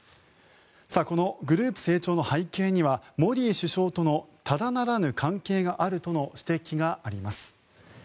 このグループ成長の背景にはモディ首相とのただならぬ関係があるとの指摘があります。